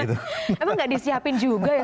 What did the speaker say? emang gak disiapin juga ya